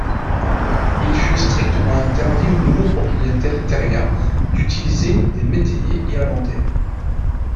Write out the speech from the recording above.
Il fut strictement interdit aux nouveaux propriétaires terriens d'utiliser des métayers irlandais.